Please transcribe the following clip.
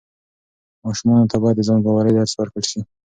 ماشومانو ته باید د ځان باورۍ درس ورکړل سي.